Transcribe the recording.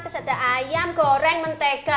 terus ada ayam goreng mentega